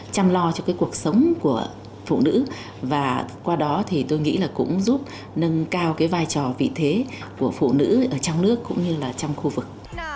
chăm lo cho cái cuộc sống của phụ nữ và qua đó thì tôi nghĩ là cũng giúp nâng cao cái vai trò vị thế của phụ nữ ở trong nước cũng như là trong khu vực